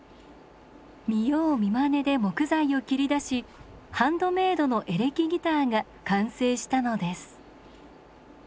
見よう見まねで木材を切り出しハンドメイドのエレキギターが完成したのです。